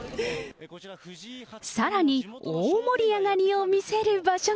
さらに大盛り上がりを見せる場所が。